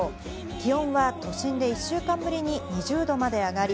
気温は都心で１週間ぶりに２０度まで上がり、